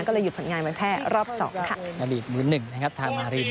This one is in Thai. ก็เลยหยุดผลงานไว้แพ้รอบ๒ค่ะ